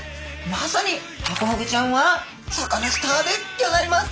まさにハコフグちゃんはサカナスターでギョざいます。